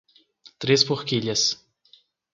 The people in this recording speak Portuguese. Três Forquilhas